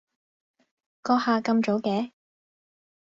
閣下咁早嘅？